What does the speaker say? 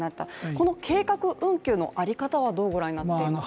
この計画運休の在り方はどうご覧になっていますか。